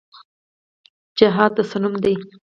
جهاد د څه نوم دی؟